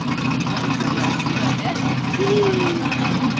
ホントにおいしいわね。